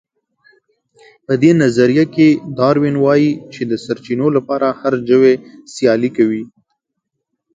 په دې نظريه کې داروېن وايي چې د سرچينو لپاره هر ژوی سيالي کوي.